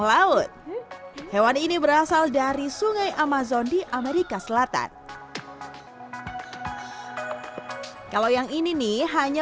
laut hewan ini berasal dari sungai amazon di amerika selatan kalau yang ini nih hanya